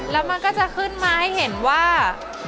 แล้วมันก็จะขึ้นมาให้เห็นว่า